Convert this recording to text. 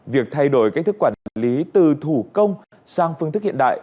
việc thay đổi cách thức quản lý từ thủ công sang phương thức hiện đại